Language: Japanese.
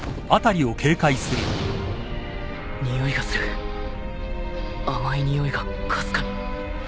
においがする甘いにおいがかすかに